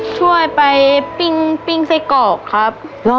ช่วยไปปิ้งไส้กรอกครับ